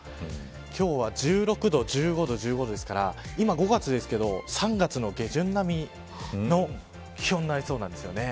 今日は１６度１５度、１５度ですから今５月ですけど、３月下旬並みの気温になりそうなんです。